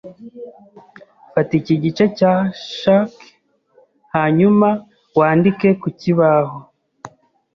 Fata iki gice cya chalk hanyuma wandike ku kibaho.